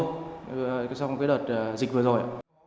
sau cái đợt dịch vừa rồi